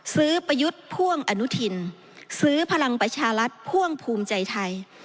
ประยุทธ์พ่วงอนุทินซื้อพลังประชารัฐพ่วงภูมิใจไทย